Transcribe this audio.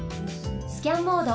スキャンモード。